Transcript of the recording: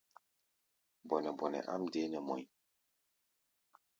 Bɔnɛ-bɔnɛ áʼm deé nɛ mɔʼí̧.